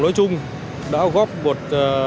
nói chung đã góp một